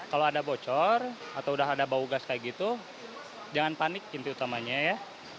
kalau ada bocor atau udah ada bau gas kayak gitu jangan panik inti utamanya ya